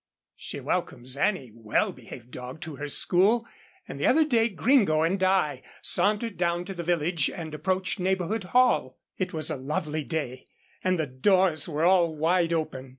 She welcomes any well behaved dog to her school, and the other day Gringo and I sauntered down to the village and approached Neighbourhood Hall. It was a lovely day, and the doors were all wide open.